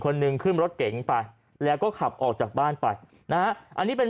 หนึ่งขึ้นรถเก๋งไปแล้วก็ขับออกจากบ้านไปนะฮะอันนี้เป็น